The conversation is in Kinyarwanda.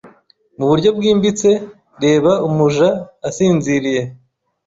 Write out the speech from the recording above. Muburyo bwimbitse Reba umuja asinziriye